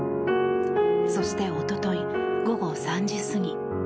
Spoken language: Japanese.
そしておととい午後３時過ぎ。